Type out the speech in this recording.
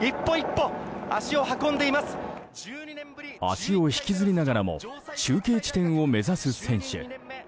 足を引きずりながらも中継地点を目指す選手。